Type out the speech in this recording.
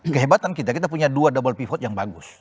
kehebatan kita kita punya dua double pivot yang bagus